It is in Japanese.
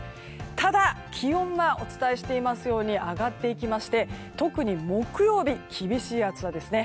ただ気温がお伝えしていますように上がっていきまして特に木曜日厳しい暑さですね。